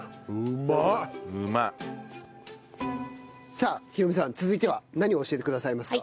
さあ廣美さん続いては何を教えてくださいますか？